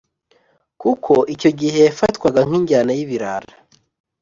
kuko icyo gihe yafatwaga nk’injyana y’ibirara